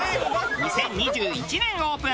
２０２１年オープン。